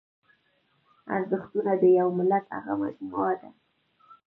ارزښتونه د یوه ملت هغه مجموعه ده.